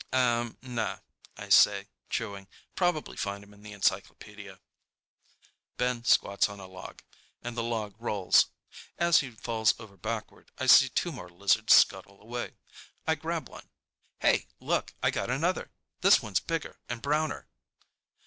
"Umm, nah," I say, chewing. "Probably find him in the encyclopedia." Ben squats on a log, and the log rolls. As he falls over backward I see two more lizards scuttle away. I grab one. "Hey, look! I got another. This one's bigger and browner."